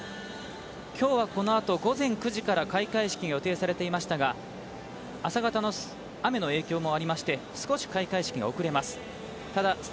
きょうはこのあと午前９時から開会式が予定されていましたが、朝方の雨の影響で少し開会式がおくれます。